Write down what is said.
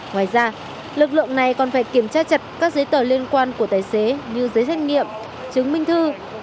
ngoài ra lực lượng này còn phải kiểm tra chặt các giấy tờ liên quan của tài xế như giấy danh nghiệm chứng minh thư